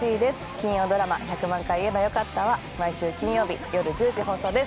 金曜ドラマ「１００万回言えばよかった」は毎週金曜日よる１０時放送です